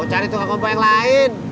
mau cari tukang kompa yang lain